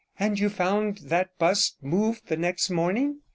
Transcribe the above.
'And you found that bust moved the next morning?'